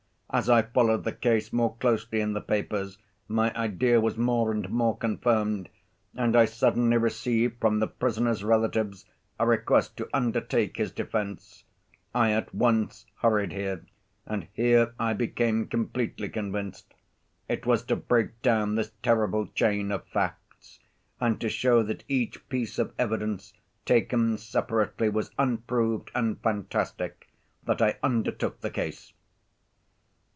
As I followed the case more closely in the papers my idea was more and more confirmed, and I suddenly received from the prisoner's relatives a request to undertake his defense. I at once hurried here, and here I became completely convinced. It was to break down this terrible chain of facts, and to show that each piece of evidence taken separately was unproved and fantastic, that I undertook the case."